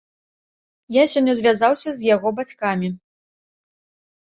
Я сёння звязваўся з яго бацькамі.